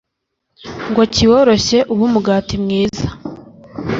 ngo kiworoshye ube umugati mwiza;